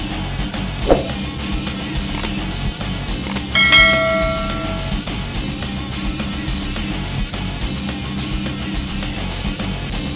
warrior bukan penyayang yang suka melakukan sepakatan men